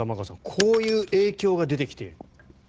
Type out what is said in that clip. こういう影響が出てきている。